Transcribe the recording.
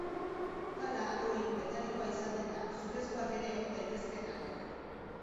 Pala, ohi, metalikoa izaten da, zurezkoak ere egon daitezkeen arren.